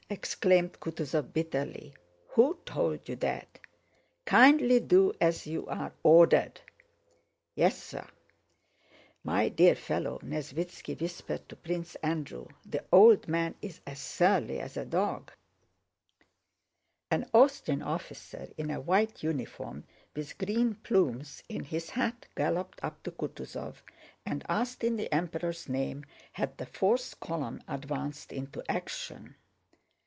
exclaimed Kutúzov bitterly. "Who told you that?... Kindly do as you are ordered." "Yes, sir." "My dear fellow," Nesvítski whispered to Prince Andrew, "the old man is as surly as a dog." An Austrian officer in a white uniform with green plumes in his hat galloped up to Kutúzov and asked in the Emperor's name had the fourth column advanced into action.